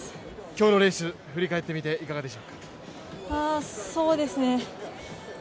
今日のレース、振り返ってみていかがでしょうか？